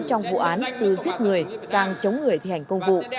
trong vụ án từ giết người sang chống người thi hành công vụ